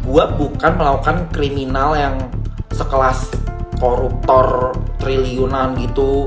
gue bukan melakukan kriminal yang sekelas koruptor triliunan gitu